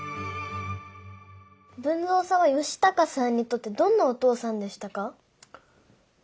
豊造さんは嘉孝さんにとってどんなお父さんでしたか？